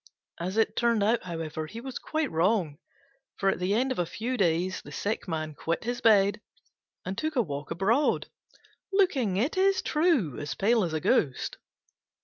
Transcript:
As it turned out, however, he was quite wrong; for at the end of a few days the sick man quitted his bed and took a walk abroad, looking, it is true, as pale as a ghost.